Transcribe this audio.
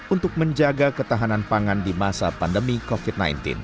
untuk menjaga ketahanan pangan di masa pandemi covid sembilan belas